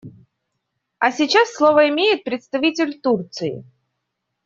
А сейчас слово имеет представитель Турции.